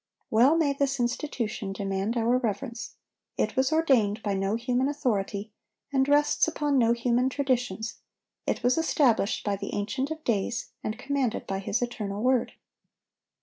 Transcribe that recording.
(767) Well may this institution demand our reverence: it was ordained by no human authority, and rests upon no human traditions; it was established by the Ancient of days, and commanded by His eternal word.